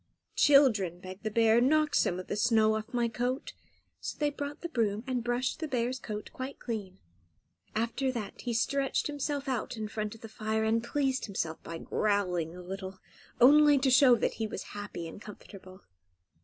"Children," begged the bear; "knock some of the snow off my coat." So they brought the broom and brushed the bear's coat quite clean. After that he stretched himself out in front of the fire, and pleased himself by growling a little, only to show that he was happy and comfortable.